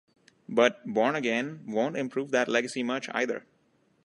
But "Born Again" won't improve that legacy much, either.